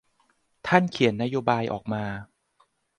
ท่านเขียนนโยบายออกมา